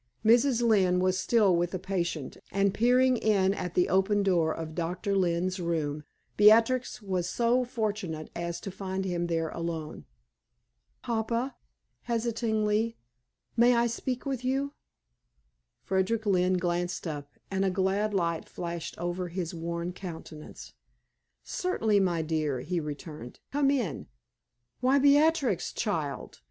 Mrs. Lynne was still with the patient, and peeping in at the open door of Doctor Lynne's room, Beatrix was so fortunate as to find him there alone. "Papa!" hesitatingly "may I speak with you?" Frederick Lynne glanced up, and a glad light flashed over his worn countenance. "Certainly, my dear!" he returned. "Come in. Why, Beatrix, child!"